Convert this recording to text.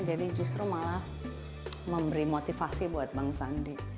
jadi justru malah memberi motivasi buat bang sandi